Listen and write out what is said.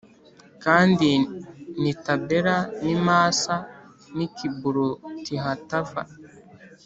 Kandi n i Tabera n i Masa n i Kiburotihatava